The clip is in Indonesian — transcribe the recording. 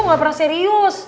lo ga pernah serius